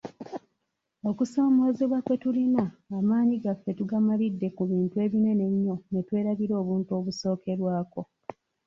Okusoomoozebwa kwe tulina, amaanyi gaffe tugamalidde ku bintu ebinene ennyo ne twerabira obuntu obusookerwako.